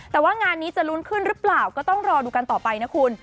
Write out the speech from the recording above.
แต่ว่างานนี้จะลุ้นขึ้นหรือเปล่าก็ต้องรอดูกันต่อไปนะคุณ